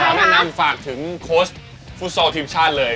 แนะนำฝากถึงโค้ชฟุตซอลทีมชาติเลย